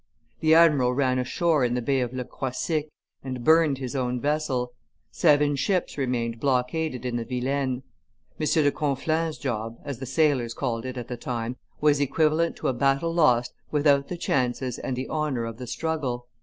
The admiral ran ashore in the Bay of Le Croisic and burned his own vessel; seven ships remained blockaded in the Vilaine. M. de Conflans' job, as the sailors called it at the time, was equivalent to a battle lost without the chances and the honor of the struggle.